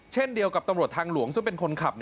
เช่นเดียวกับตำรวจทางหลวงซึ่งเป็นคนขับ